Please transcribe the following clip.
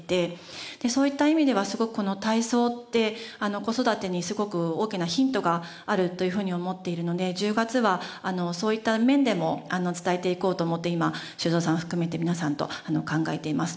そういった意味ではすごくこの体操って子育てにすごく大きなヒントがあるというふうに思っているので１０月はそういった面でも伝えていこうと思って今修造さんを含めて皆さんと考えています。